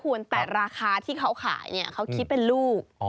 หูนแต่ราคาที่เขาขายเขาคิดเป็นลูก